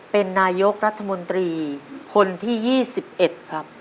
เป็นนายกรัฐมนตรีคนที่๒๑ครับ